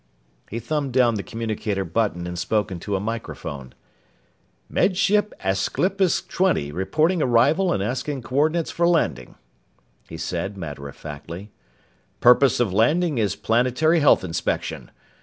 He thumbed down the communicator button and spoke into a microphone. "Med Ship Aesclipus Twenty reporting arrival and asking coordinates for landing," he said matter of factly. "Purpose of landing is planetary health inspection.